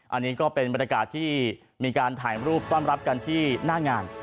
อันนี้ก็เป็นบรรยากาศที่มีการถ่ายรูปต้อนรับกันที่หน้างาน